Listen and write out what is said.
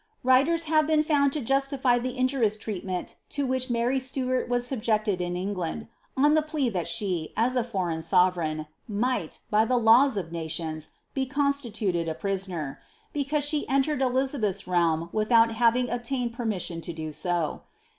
Writers have been found to justify the injurious treatment to which Mar}' Stuart was subjected in England, on the plea that she, as a foreign sovereign, might, by the laws of nations, be constituted a prisoner, be cause she entered Elizabeth's realm without having obtained permission to do so.